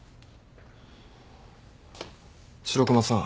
白熊さん